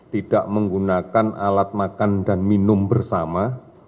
tidak menggunakan alat makan dan minum bersama